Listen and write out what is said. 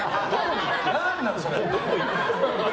何なん、それ。